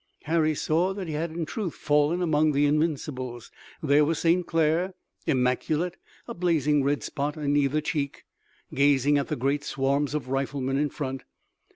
Harry saw that he had in truth fallen among the Invincibles. There was St. Clair, immaculate, a blazing red spot in either cheek, gazing at the great swarms of riflemen in front.